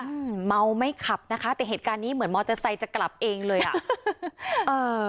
อืมเมาไม่ขับนะคะแต่เหตุการณ์นี้เหมือนมอเตอร์ไซค์จะกลับเองเลยอ่ะเอ่อ